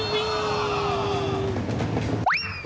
วิ่ง